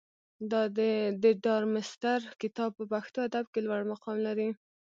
د ډارمستتر کتاب په پښتو ادب کښي لوړ مقام لري.